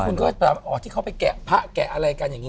คุณก็แบบอ๋อที่เขาไปแกะพระแกะอะไรกันอย่างนี้